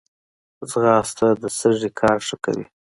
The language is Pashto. ځغاسته د سږي کار ښه کوي